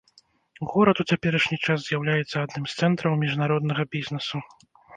Горад у цяперашні час з'яўляецца адным з цэнтраў міжнароднага бізнесу.